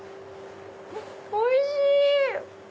おいしい！